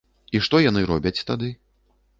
І што яны робяць тады?